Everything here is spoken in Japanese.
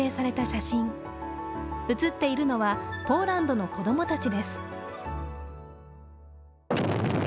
写っているのはポーランドの子供たちです。